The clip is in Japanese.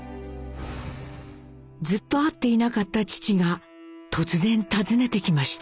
ずっと会っていなかった父が突然訪ねてきました。